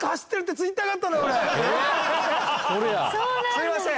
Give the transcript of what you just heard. すいません。